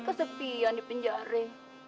pasti kesepian di penjara